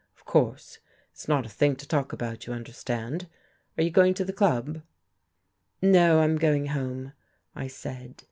Of course it's not a thing I talk about, you understand. Are you going to the Club?" "No, I'm going home," I said.